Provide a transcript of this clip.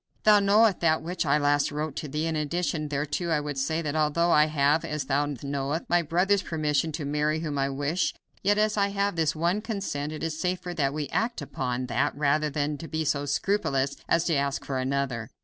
Thou knowest that which I last wrote to thee, and in addition thereto I would say that although I have, as thou likewise knowest, my brother's permission to marry whom I wish, yet as I have his one consent it is safer that we act upon that rather than be so scrupulous as to ask for another.